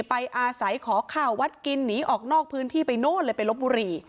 ไปอาศัยขอข้าววัดกินหนีออกนอกพื้นที่ไปโน่นเลยไปลบบุรี